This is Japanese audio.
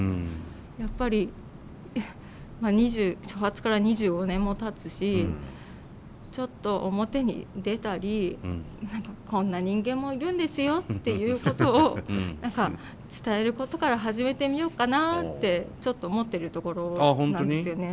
やっぱり初発から２５年もたつしちょっと表に出たりこんな人間もいるんですよっていうことを伝えることから始めてみようかなってちょっと思っているところなんですよね。